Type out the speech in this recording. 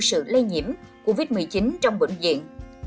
sự lây nhiễm covid một mươi chín trong bệnh viện